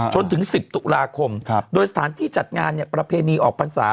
จนถึง๑๐ตุลาคมโดยสถานที่จัดงานประเพณีออกพรรษา